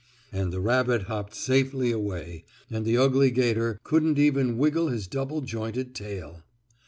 And the rabbit hopped safely away, and the ugly 'gator couldn't even wiggle his double jointed tail.